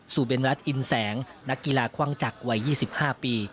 เบนรัฐอินแสงนักกีฬาคว่างจักรวัย๒๕ปี